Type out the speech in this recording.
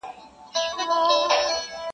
ته مي نه ویني په سترګو نه مي اورې په غوږونو-